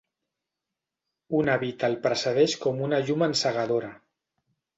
Un hàbit el precedeix com una llum encegadora.